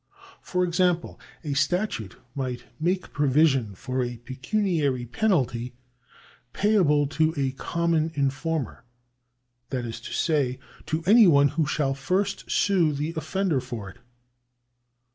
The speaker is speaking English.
For example, a statute may make provision for a pecuniary penalty payable to a common informer, that is to say, to any one who shall first sue the offender for it.